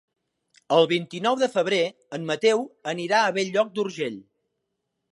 El vint-i-nou de febrer en Mateu anirà a Bell-lloc d'Urgell.